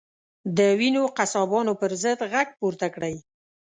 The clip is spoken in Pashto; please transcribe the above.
د وینو قصابانو پر ضد غږ پورته کړئ.